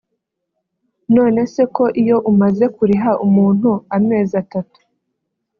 none se ko iyo umaze kuriha umuntu amezi atatu